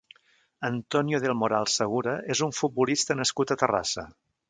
Antonio del Moral Segura és un futbolista nascut a Terrassa.